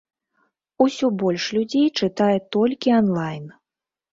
Усё больш людзей чытае толькі анлайн.